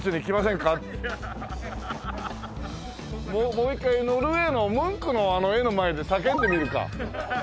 もう一回ノルウェーのムンクのあの絵の前で叫んでみるか。